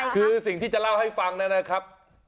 คือสิ่งที่จะเล่าให้ฟังนะครับ